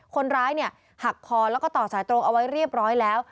คนร้ายเนี่ยหักคอแล้วก็ต่อสายตรงเอาไว้เรียบร้อยแล้ว